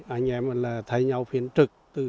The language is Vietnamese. anh em thay nhau phiến trực